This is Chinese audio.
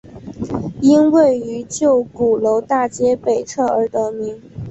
因位于旧鼓楼大街北侧而得名。